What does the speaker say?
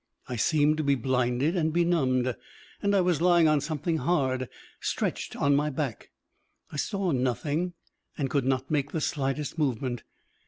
I seemed to be blinded and benumbed, and I was lying on something hard, stretched on my back; I saw nothing, and could not make the slightest movement.